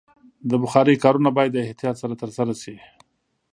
د بخارۍ کارونه باید د احتیاط سره ترسره شي.